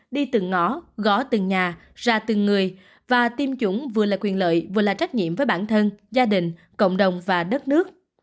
đi từng ngõ gõ từng nhà ra từng người và tiêm chủng vừa là quyền lợi vừa là trách nhiệm với bản thân gia đình cộng đồng và đất nước